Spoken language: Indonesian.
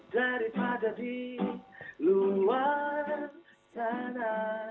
daripada di luar sana